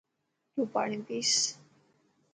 تون پاڻي پئس.